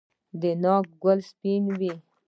د ناک ګل سپین وي؟